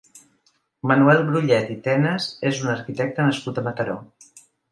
Manuel Brullet i Tenas és un arquitecte nascut a Mataró.